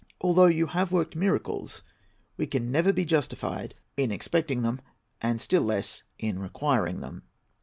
Although you have worked miracles, we can never be justified in expecting them, and still less in requiring them."